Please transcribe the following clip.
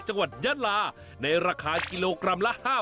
จังหวัดยัตรราในราคากิโลกรัมละ